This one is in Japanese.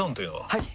はい！